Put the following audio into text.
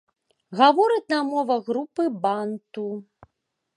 Гавораць на мовах групы банту.